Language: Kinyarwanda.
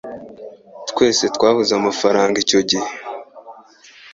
Twese twabuze amafaranga icyo gihe.